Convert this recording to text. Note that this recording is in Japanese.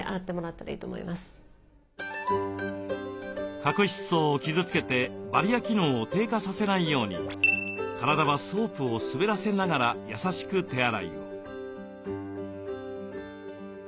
角質層を傷つけてバリア機能を低下させないように体はソープを滑らせながら優しく手洗いを。